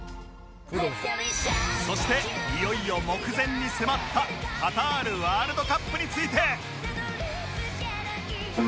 そしていよいよ目前に迫ったカタールワールドカップについて